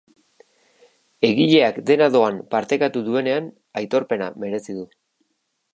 Egileak dena doan partekatu duenean aitorpena merezi du.